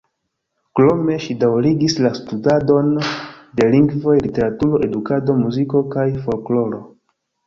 Krome ŝi daŭrigis la studadon de lingvoj, literaturo, edukado, muziko kaj folkloro.